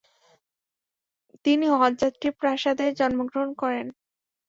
তিনি হজযাত্রী প্রাসাদে জন্মগ্রহণ করেন।